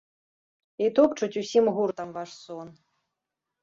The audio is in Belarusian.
І топчуць усім гуртам ваш сон.